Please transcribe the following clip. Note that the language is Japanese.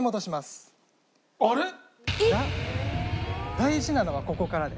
大事なのはここからで。